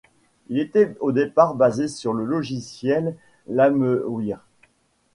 Il était au départ basé sur le logiciel Limewire.